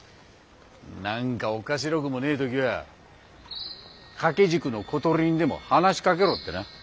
何かおかしろくもねぇ時は掛け軸の小鳥にでも話しかけろってな。